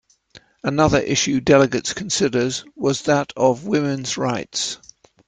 Another issue delegates considered was that of women's rights.